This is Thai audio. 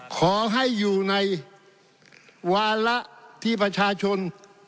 ขอให้อยู่ในวาระที่ประชาชน